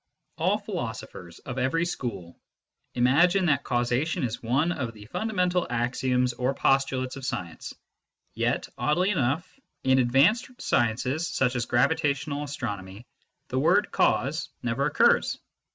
All philosophers, of every school, imagine that causa tion is one of the fundamental axioms or postulates of science, yet, oddly enough, in advanced sciences such as gravitational astronomy, the word " cause " never occurs.